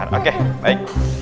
al qadar oke baik